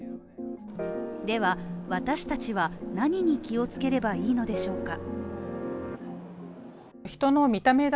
では、私たちは何に気を付ければいいのでしょうか。